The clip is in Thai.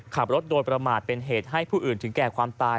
ขับรถโดยประมาทเป็นเหตุให้ผู้อื่นถึงแก่ความตาย